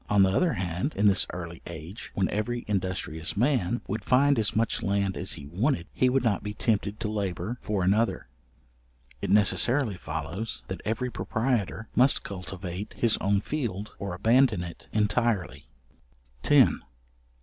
On the other hand, in this early age, when every industrious man would find as much land as he wanted, he would not be tempted to labour for another. It necessarily follows, that every proprietor must cultivate his own field or abandon it entirely. §10.